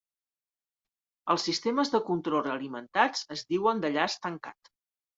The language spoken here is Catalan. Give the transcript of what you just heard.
Els sistemes de control realimentats es diuen de llaç tancat.